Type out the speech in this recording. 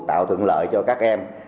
tạo thượng lợi cho các em